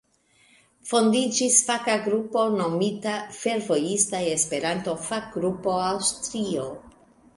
Fondiĝis faka grupo nomita "Fervojista Esperanto-Fakgrupo Aŭstrio".